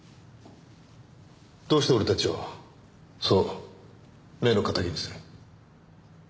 どうして俺たちをそう目の敵にする？